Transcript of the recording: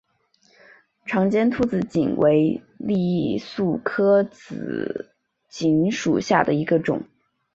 长尖突紫堇为罂粟科紫堇属下的一个种。